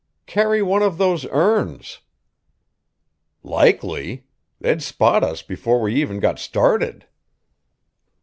"Carry one of those urns." "Likely! They'd spot us before we even got started."